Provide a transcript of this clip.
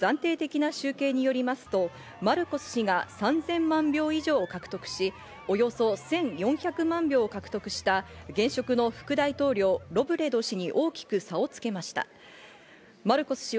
日本時間午前７時過ぎの暫定的な集計によりますと、マルコス氏が３０００万票以上を獲得し、およそ１４００万票を獲得した現職の副大統領ロブレド氏に大きく差をつけました。